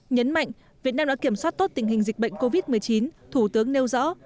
nhấn mạnh việt nam đã kiểm soát tốt tình hình dịch bệnh covid một mươi chín thủ tướng nêu rõ